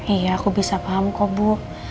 iya aku bisa paham kok bu